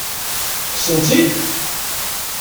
Kksent-tt-id?